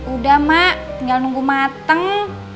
udah mak tinggal nunggu mateng